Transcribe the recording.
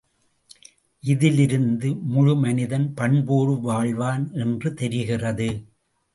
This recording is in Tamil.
இதிலிருந்து முழு மனிதன் பண்போடு வாழ்வான் என்று தெரிகிறது.